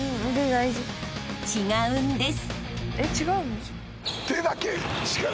［違うんです！］